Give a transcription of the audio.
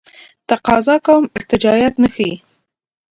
تقاضا کوم ارتجاعیت نه ښیي.